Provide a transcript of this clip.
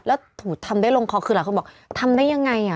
แล้วถูทำได้ลงคอคือหลายคนบอกทำได้ยังไง